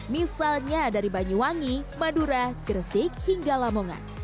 misalnya dari banyuwangi madura gresik hingga lamongan